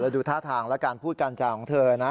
แล้วดูท่าทางแล้วการพูดกันจ่าของเธอนะ